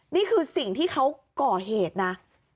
นี่คือสิ่งที่เขาก่อเหตุนะ